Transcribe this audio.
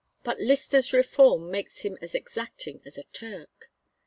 But Lyster's reform makes him as exacting as a Turk.